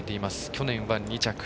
去年は２着。